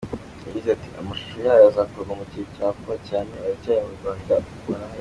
Yagize ati "Amashusho yayo azakorwa mu gihe cya vuba cyane, baracyari mu Rwanda, barahari.